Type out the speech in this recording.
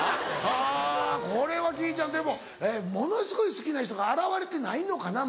はぁこれはきいちゃんでもものすごい好きな人が現れてないのかな